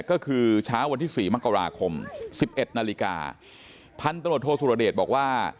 ก็คือเช้าวันที่๔มังกราคม๑๑นาฬิกาพันธนโทษศุรเดชบอกว่า